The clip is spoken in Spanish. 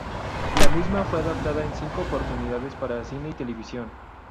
La misma fue adaptada en cinco oportunidades para cine y televisión.